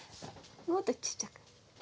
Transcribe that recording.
もっとちっちゃく。